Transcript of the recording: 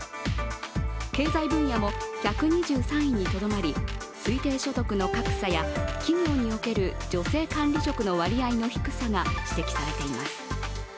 経済分野も１２３位にとどまり推定所得の格差や企業における女性管理職の割合の低さが指摘されています。